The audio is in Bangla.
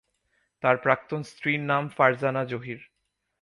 তার প্রাক্তন স্ত্রীর নাম ফারজানা জহির।